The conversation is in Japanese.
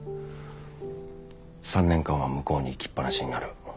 ３年間は向こうに行きっぱなしになる。